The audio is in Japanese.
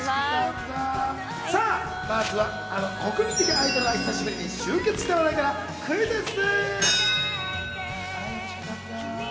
さあ、まずはあの国民的アイドルが久しぶりに集結した話題からクイズッス。